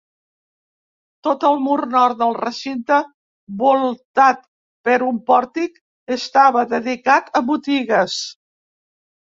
Tot el mur nord del recinte, voltat per un pòrtic, estava dedicat a botigues.